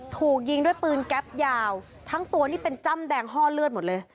ถูกยิงด้วยปืนแก๊ปยาวทั้งตัวนี่เป็นจ้ำแดงห้อเลือดหมดเลย